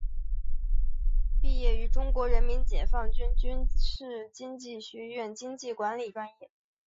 毕业于中国人民解放军军事经济学院经济管理专业。